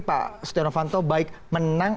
pak setia novanto baik menang